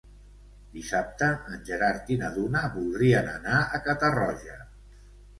Dissabte en Gerard i na Duna voldrien anar a Catarroja.